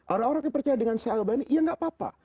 orang orang yang percaya dengan saya albani ya gak apa apa